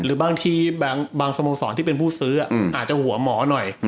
หรือบางทีบางสโมสรที่เป็นผู้ซื้ออาจจะหัวหมอหน่อย